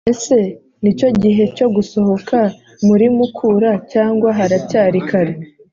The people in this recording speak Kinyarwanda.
Ese ni cyo gihe cyo gusohoka muri mukura cyangwa haracyari kare